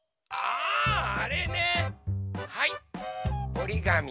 おりがみ。